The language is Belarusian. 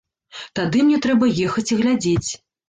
Тады мне трэба ехаць і глядзець.